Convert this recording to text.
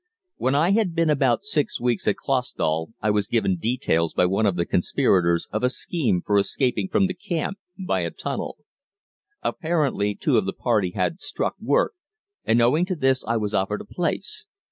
When I had been about six weeks at Clausthal I was given details by one of the conspirators of a scheme for escaping from the camp by a tunnel. Apparently two of the party had struck work, and owing to this I was offered a place.